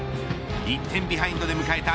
１点ビハインドで迎えた